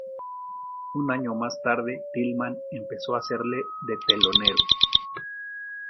Un año más tarde, Tillman empezó a hacerle de telonero.